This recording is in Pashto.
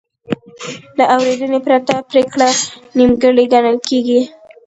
د اورېدنې پرته پرېکړه نیمګړې ګڼل کېږي.